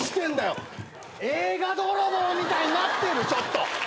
映画泥棒みたいになってるちょっと！